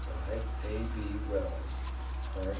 By A.B. Wells, R.